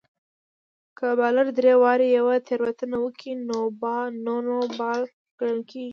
که بالر درې واري يوه تېروتنه وکي؛ نو نو بال ګڼل کیږي.